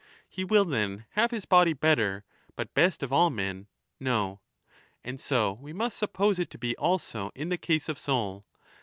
He will then have his body better, but best of all men. No. And so we must suppose it to be also in the case of soul.